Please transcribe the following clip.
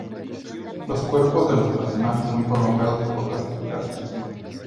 Los cuerpos de los personajes son prolongados por las pilastras.